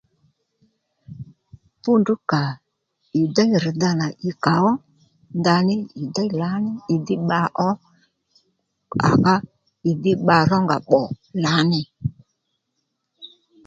Fúndrú kà ì déy rr̀dha nà ì kà ó ndaní ì déy lǎní ì dhí bba ó à ká ì dhí bba ró nga bbò lǎní